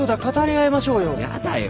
やだよ